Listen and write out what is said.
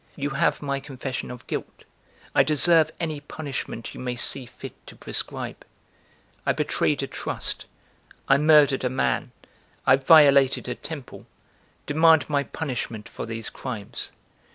You have my confession of guilt, I deserve any punishment you may see fit to prescribe. I betrayed a trust, I murdered a man, I violated a temple: demand my punishment for these crimes.